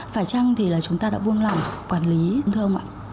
phải chăng thì là chúng ta đã buông lỏng quản lý thương ạ